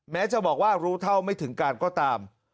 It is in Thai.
แม้จะบอกว่ารู้เท่าไม่ถึงการก็ตาม